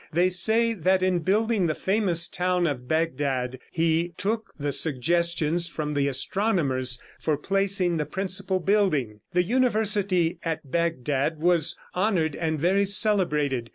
They say that in building the famous town of Bagdad he took the suggestions from the astronomers for placing the principal building. The university at Bagdad was honored and very celebrated.